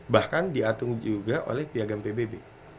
bahkan diatung juga oleh piagam pbb